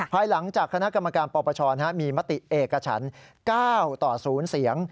ภายหลังจากคณะกรรมการปปชมีมติเอกฉัน๙ต่อ๐เสียง